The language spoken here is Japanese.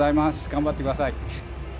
頑張ってください。